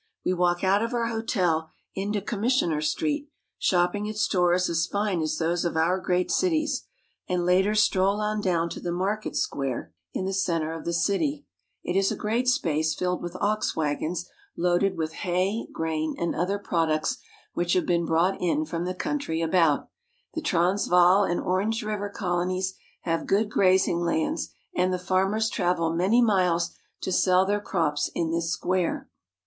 We walk out of our hotel into Commissioner Street, shop l ping at stores as fine as those of our great cities, and later L BtroU on down to the market square in the center of the ^^^ fron I THE GOLD MINES OF SOUTH AFRICA 307 It is a great space filled with ox wagons loaded with grain, and other products which have been brought in 1 frorn the country about. The Transvaal and Orange River colonies have good grazing lands, and the farmers travel many miles to sell their crops in this square.